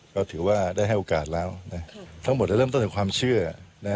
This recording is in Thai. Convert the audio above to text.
ก็ถือว่าได้ให้โอกาสแล้วทั้งหมดจะเริ่มต้นจากความเชื่อ